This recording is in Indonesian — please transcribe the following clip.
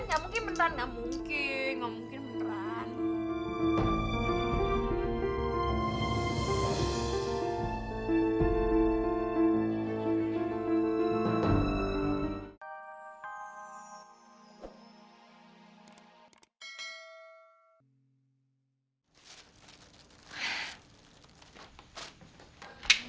nggak mungkin beneran nggak mungkin nggak mungkin beneran